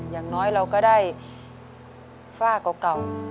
อย่างน้อยเราก็ได้ฝ้าเก่า